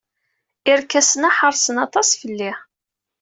Irkasen-a ḥeṛsen aṭas fell-i.